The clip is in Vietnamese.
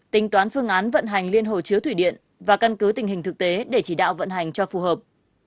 tính toán phương án vận hành liên hồ chứa thủy điện và căn cứ tình hình thực tế để chỉ đạo vận hành cho phù hợp